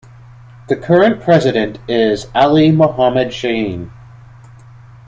The current President is Ali Mohamed Shein.